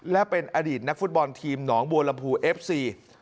และเป็นอดีตนักฟุตบอลทีมหนองบัวลำพูเอฟซี